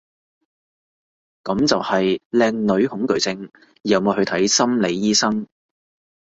噉就係靚女恐懼症，有冇去睇心理醫生？